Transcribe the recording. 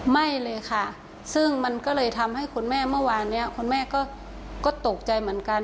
ไม่เลยค่ะซึ่งมันก็เลยทำให้คุณแม่เมื่อวานนี้คุณแม่ก็ตกใจเหมือนกัน